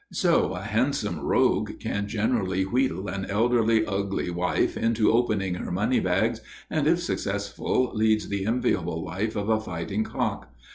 So a handsome rogue can generally wheedle an elderly, ugly wife into opening her money bags, and, if successful, leads the enviable life of a fighting cock.